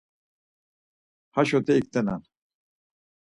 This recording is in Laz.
Haşote iktenan.